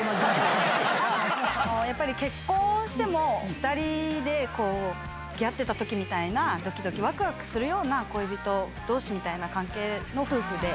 やっぱり結婚しても、２人でつきあってたときみたいな、どきどきわくわくするような恋人どうしみたいな関係の夫婦で。